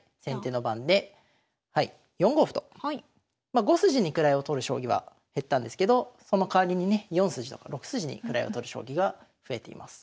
まあ５筋に位を取る将棋は減ったんですけどそのかわりにね４筋とか６筋に位を取る将棋が増えています。